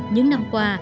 những năm qua